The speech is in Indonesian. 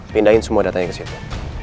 pindahin semua datanya ke situ